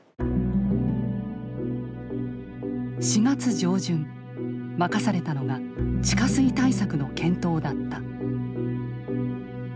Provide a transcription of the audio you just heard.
４月上旬任されたのが地下水対策の検討だった。